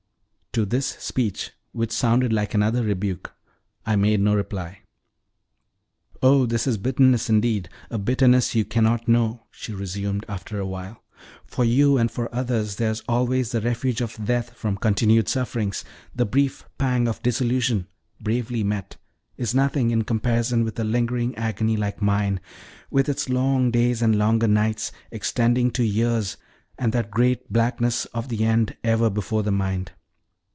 To this speech, which sounded like another rebuke, I made no reply. "Oh, this is bitterness indeed a bitterness you cannot know," she resumed after a while. "For you and for others there is always the refuge of death from continued sufferings: the brief pang of dissolution, bravely met, is nothing in comparison with a lingering agony like mine, with its long days and longer nights, extending to years, and that great blackness of the end ever before the mind.